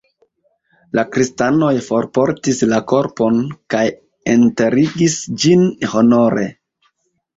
La kristanoj forportis la korpon kaj enterigis ĝin honore.